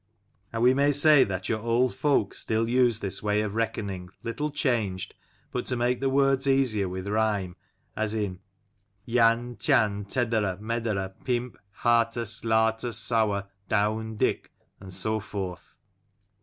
And we may say that our old folk still use this way of reckoning little changed but to make the words easier with rhyme, as: " Yan, tyan, teddera, meddera, pimp; haata, slaata, sour, down, dick: " and so forth.